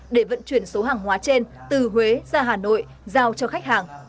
để vận chuyển số hàng hóa trên từ huế ra hà nội giao cho khách hàng